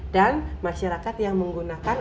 dan masyarakat yang menggunakan